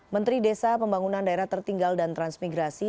menteri desa pembangunan daerah tertinggal dan transmigrasi